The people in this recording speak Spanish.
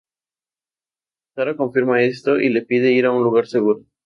Sara confirma esto y le pide ir a un lugar seguro.